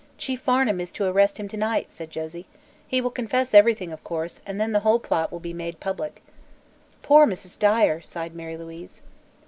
"Chief Farnum is to arrest him to night," said Josie. "He will confess everything, of course, and then the whole plot will be made public." "Poor Mrs. Dyer!" sighed Mary Louise.